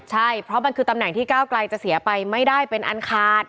ใช่เพราะมันคือตำแหน่งที่ก้าวไกลจะเสียไปไม่ได้เป็นอันขาด